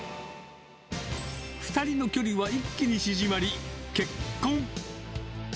２人の距離は一気に縮まり、結婚。